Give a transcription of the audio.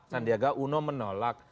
sandiaga uno menolak